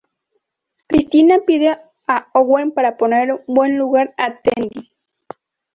Cristina pide a Owen para poner en buen lugar a Teddy.